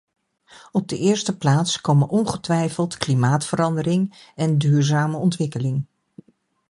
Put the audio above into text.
Op de eerste plaats komen ongetwijfeld klimaatverandering en duurzame ontwikkeling.